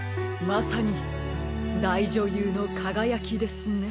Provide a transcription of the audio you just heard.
まさにだいじょゆうのかがやきですね。